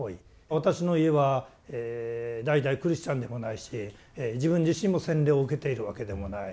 私の家は代々クリスチャンでもないし自分自身も洗礼を受けているわけでもない。